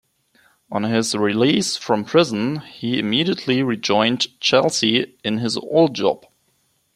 On his release from prison, he immediately rejoined Chelsea in his old job.